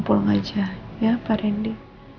pulang aja ya pak randy